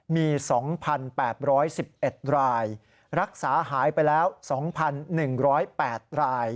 มี๒๘๑๑รายรักษาหายไปแล้ว๒๑๐๘ราย